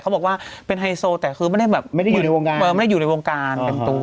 เขาบอกว่าเป็นไฮโซแต่คือไม่ได้อยู่ในวงการ